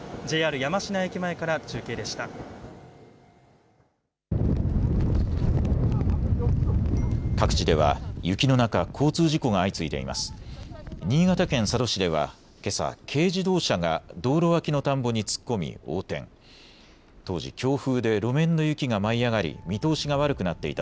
山科駅前から中継でした。